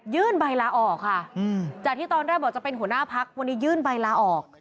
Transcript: ใบลาออกค่ะจากที่ตอนแรกบอกจะเป็นหัวหน้าพักวันนี้ยื่นใบลาออก